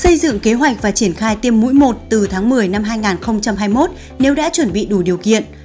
xây dựng kế hoạch và triển khai tiêm mũi một từ tháng một mươi năm hai nghìn hai mươi một nếu đã chuẩn bị đủ điều kiện